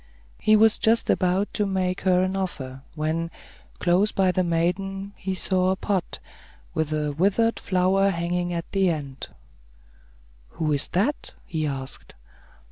He was just about to make her an offer, when, close by the maiden, he saw a pod, with a withered flower hanging at the end. "Who is that?" he asked.